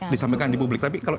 disampaikan di publik tapi kalau